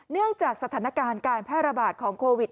เนื่องจากสถานการณ์การแพร่ระบาดของโควิด